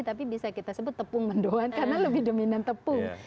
tapi bisa kita sebut tepung mendoan karena lebih dominan tepung